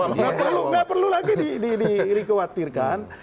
tidak perlu lagi dikhawatirkan